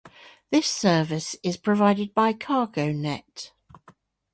This service is provided by CargoNet.